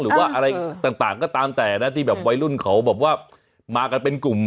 หรือว่าอะไรต่างก็ตามแต่นะที่แบบวัยรุ่นเขาแบบว่ามากันเป็นกลุ่ม